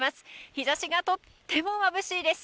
日ざしがとってもまぶしいです。